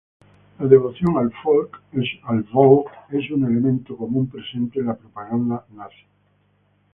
La devoción al "Volk" es un elemento común presente en la propaganda nazi.